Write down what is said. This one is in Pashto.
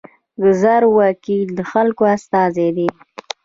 ګذر وکیل د خلکو استازی دی